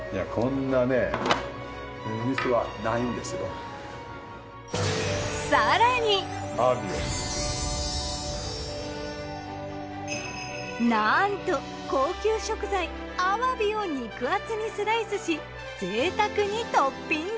いやなんと高級食材あわびを肉厚にスライスし贅沢にトッピング。